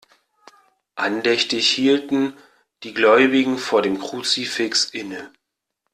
Andächtig hielten die Gläubigen vor dem Kruzifix inne.